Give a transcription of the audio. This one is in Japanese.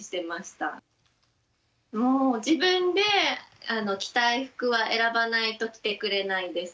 もう自分で着たい服は選ばないと着てくれないです。